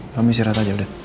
kamu istirahat aja udah